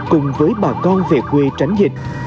cùng với bà con về quê tránh dịch